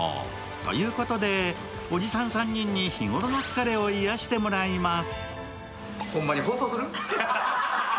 ということで、おじさん３人に日頃の疲れを癒やしてもらいます。